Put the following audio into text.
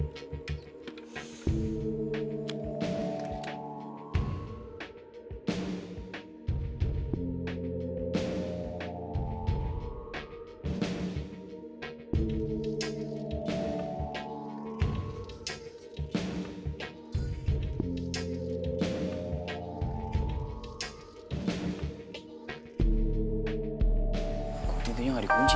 ketentenya hari kunci